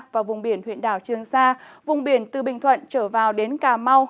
và vùng biển huyện đảo trương sa vùng biển từ bình thuận trở vào đến cà mau